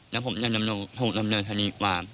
แล้วผมจะถูกดำเนินคดีความ